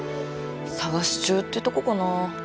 探し中ってとこかな。